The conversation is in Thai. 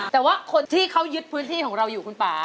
แต่ว่าคนที่เขายึดพื้นที่ของเราอยู่คุณป่า